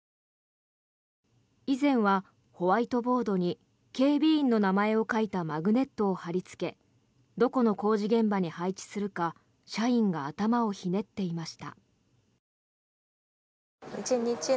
以前はホワイトボードに警備員の名前を書いたマグネットを貼りつけどこの工事現場に配置するか社員が頭をひねっていました。